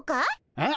えっ？